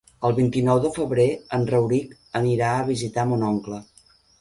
El vint-i-nou de febrer en Rauric anirà a visitar mon oncle.